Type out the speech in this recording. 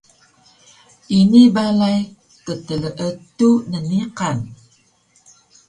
Ini balay ktleetu nniqan